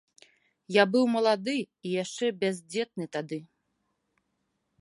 Я быў малады і яшчэ бяздзетны тады.